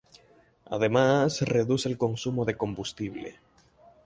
Además reduce el consumo de combustible.